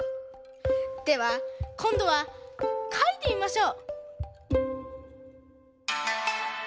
ではこんどはかいてみましょう。